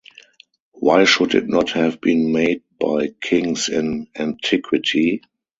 Why should it not have been made by kings in antiquity?